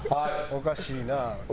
「おかしいなあ」。